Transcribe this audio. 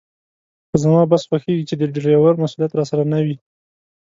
خو زما بس خوښېږي چې د ډریور مسوولیت راسره نه وي.